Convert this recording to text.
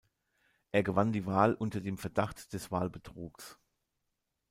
Er gewann die Wahl unter dem Verdacht des Wahlbetrugs.